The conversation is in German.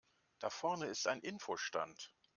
Da vorne ist ein Info-Stand.